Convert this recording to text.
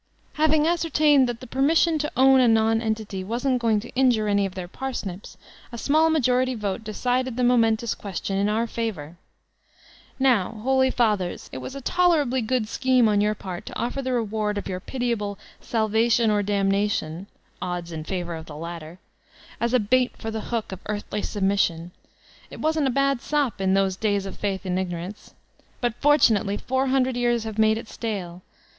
'' Having ascer tained that the permission to own a nonentity wasn*t going to injure any of their parsnips, a small majority vote decided the momentous question in our favor. Now, holy fathers, it was a tolerably good scheme on your part to offer the reward of your pitiable "salvation or damna tion'* (odds in favor of the latter) as a bait for the hook of earthly submission ; it wasn't a bad sop in those days of Faith and Ignorance. But fortunately fourteen hundred years have made it stale.